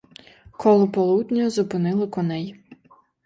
Коло полудня зупинили коней.